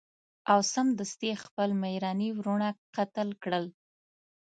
او سمدستي یې خپل میرني وروڼه قتل کړل.